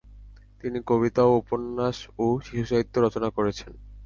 তিনি কবিতা, উপন্যাস ও শিশুসাহিত্য রচনা করেছেন।